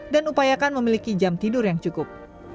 dan upayakan memiliki jam tidur yang cukup